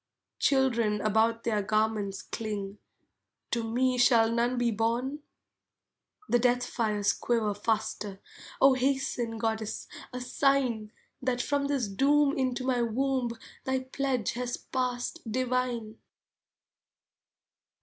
Children about their garments cling, To me shall none be born? The death fires quiver faster, O hasten, goddess, a sign, That from this doom into my womb Thy pledge has passed, divine.